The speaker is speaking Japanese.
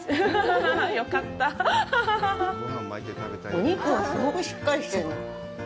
お肉がすごくしっかりしてる。